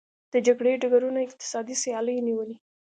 د جګړې ډګرونه یې اقتصادي سیالیو نیولي.